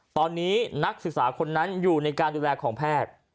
ตอนนี้นักศึกษาคนนั้นอยู่ในการดูแลของแพทย์